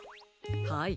はい。